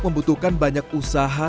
membutuhkan banyak usaha